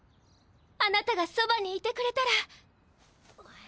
あなたがそばにいてくれたら。